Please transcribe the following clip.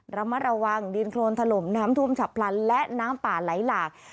ลำระว่างดินโครณถล่มน้ำทุมฉะพรรณและน้ำปละไหล่หลาก